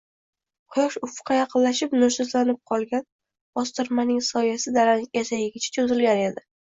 Quyosh ufqqa yaqinlashib, nursizlanib qolgan, bostirmaning soyasi dalaning etagigacha choʻzilgan edi